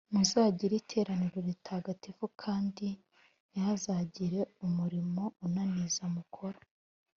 muzagire iteraniro ritagatifu, kandi ntihazagire umurimo unaniza mukora.